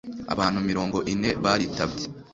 abantu mirongo ine baritabye